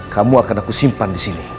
kamu akan aku simpan disini